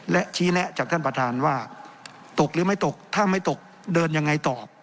และชี้แนะจากท่านประธานว่าตกหรือไม่ตกถ้าไม่ตกเดินยังไงต่อ